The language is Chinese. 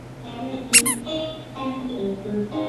游戏以罗宾一行乘船出海继续完成使命而结束。